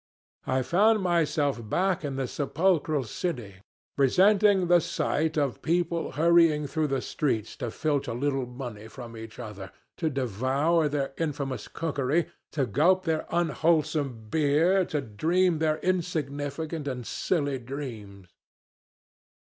I found myself back in the sepulchral city resenting the sight of people hurrying through the streets to filch a little money from each other, to devour their infamous cookery, to gulp their unwholesome beer, to dream their insignificant and silly dreams.